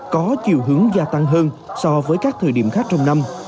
có chiều hướng gia tăng hơn so với các thời điểm khác trong năm